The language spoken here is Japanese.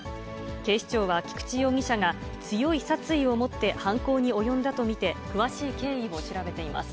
警視庁は、菊池容疑者が強い殺意を持って犯行に及んだと見て、詳しい経緯を調べています。